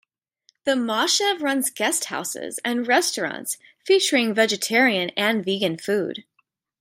The moshav runs guesthouses and restaurants featuring vegetarian and vegan food.